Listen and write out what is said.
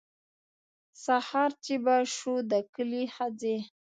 سهار چې به شو د کلي ښځې.